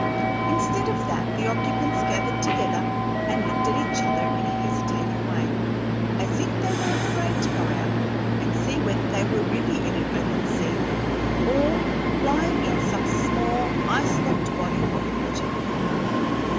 Instead of that, the occupants gathered together and looked at each other in a hesitating way, as if they were afraid to go out and see whether they were really in an open sea, or lying in some small ice locked body of water.